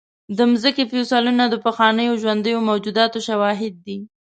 د مځکې فوسیلونه د پخوانیو ژوندیو موجوداتو شواهد دي.